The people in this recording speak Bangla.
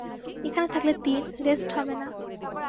এখানে থাকলে তীর রেষ্ট হবে না।